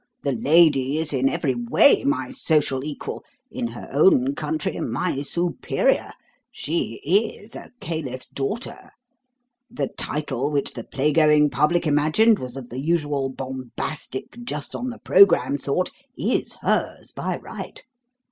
The lady is in every way my social equal in her own country my superior. She is a caliph's daughter. The title which the playgoing public imagined was of the usual bombastic, just on the programme sort, is hers by right.